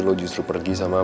kalau gue bisa mencari teman